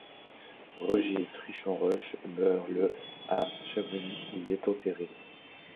Roger Frison-Roche meurt le à Chamonix où il est enterré.